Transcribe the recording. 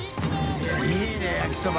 いい焼きそば。